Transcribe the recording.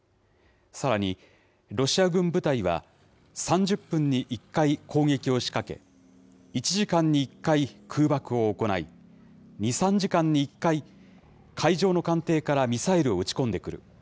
さらに、ロシア軍部隊は、３０分に１回、攻撃を仕掛け、１時間に１回空爆を行い、２、３時間に１回、海上の艦艇からミサイルを撃ち込んでくる。